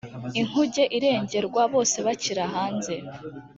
inkuge irengerwa bose bakira hanze